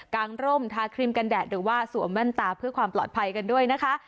งร่มทาครีมกันแดดหรือว่าสวมแว่นตาเพื่อความปลอดภัยกันด้วยนะคะ